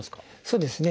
そうですね。